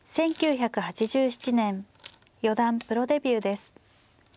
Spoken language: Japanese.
１９８７年四段プロデビューです。